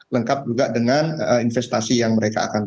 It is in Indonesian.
lengkap juga dengan investasi yang mereka akan